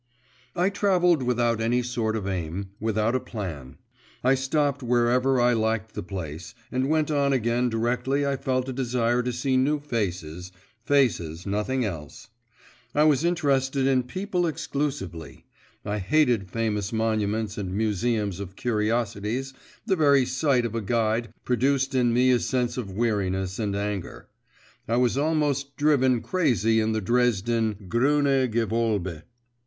I travelled without any sort of aim, without a plan; I stopped wherever I liked the place, and went on again directly I felt a desire to see new faces faces, nothing else. I was interested in people exclusively; I hated famous monuments and museums of curiosities, the very sight of a guide produced in me a sense of weariness and anger; I was almost driven crazy in the Dresden 'Grüne Gewölbe.